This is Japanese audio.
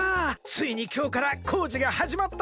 ついにきょうからこうじがはじまったわけ！